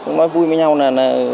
nói vui với nhau là